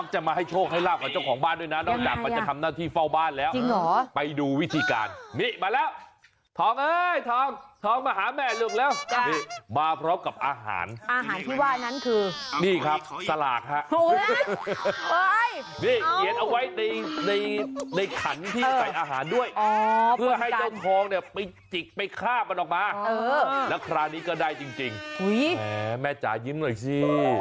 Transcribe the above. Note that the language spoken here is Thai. ในในขันที่ใส่อาหารด้วยเพื่อให้เจ้าทองเนี่ยไปจิกไปคราบมันออกมาแล้วคราวนี้ก็ได้จริงจริงแม่จ๋ายิ้มหน่อยสิ